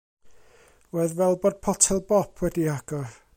Roedd fel bod potel bop wedi'i hagor.